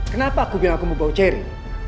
kenapa aku bilang aku mau bau cherry